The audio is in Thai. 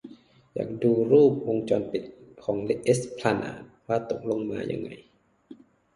อยากดูรูปวงจรปิดของเอสพลานาดว่าตกลงมาได้ยังไง